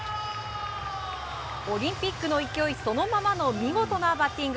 オリンピックの勢いそのままの見事なバッティング。